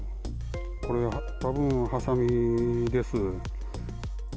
これはたぶんはさみです。